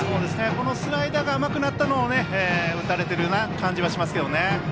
このスライダーが甘くなったのを打たれている感じはします。